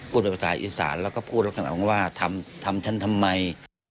พูดภาษาอีสานแล้วก็พูดว่าทำฉันทำไม